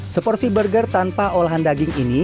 seporsi burger tanpa olahan daging ini